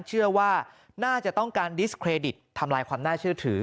เชื่อว่าน่าจะต้องการดิสเครดิตทำลายความน่าเชื่อถือ